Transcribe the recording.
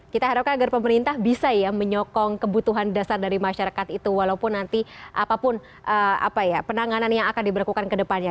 kita harapkan agar pemerintah bisa ya menyokong kebutuhan dasar dari masyarakat itu walaupun nanti apapun penanganan yang akan diberlakukan ke depannya